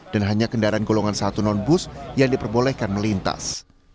dan hanya kendaraan golongan satu non bus yang diperbolehkan melintas